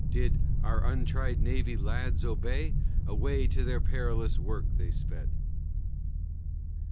Did "our untried navy lads" obey? Away to their perilous work they sped.